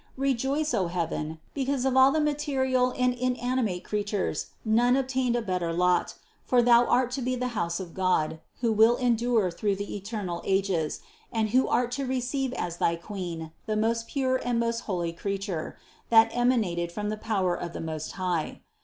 Rejoice, O heaven, because of all the material and inanimate crea tures none obtained a better lot, for thou art to be the house of God, who will endure through the eternal ages, and thou art to receive as thy Queen the most pure and most holy Creature, that emanated from the power of the Most High.